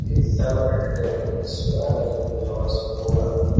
Walikutana kujadili suala lililowasumbua